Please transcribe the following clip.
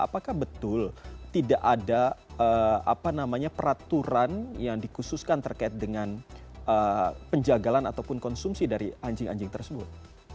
apakah betul tidak ada peraturan yang dikhususkan terkait dengan penjagalan ataupun konsumsi dari anjing anjing tersebut